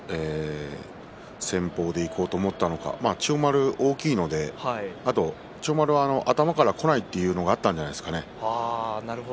頭からいって突き放そうという戦法でいこうと思ったのか千代丸は大きいのであと千代丸は頭からこないというのがあったんじゃないですかね。